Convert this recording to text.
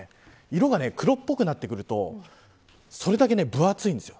色が黒っぽくなってくるとそれだけ分厚いんです。